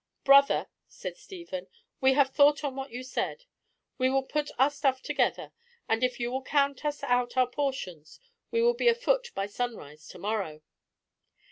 "Brother," said Stephen, "we have thought on what you said. We will put our stuff together, and if you will count us out our portions, we will be afoot by sunrise to morrow."